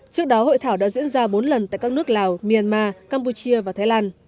trước đó hội thảo đã diễn ra bốn lần tại các nước lào myanmar campuchia và thái lan